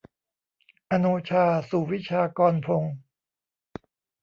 อโนชา สุวิชากรพงศ์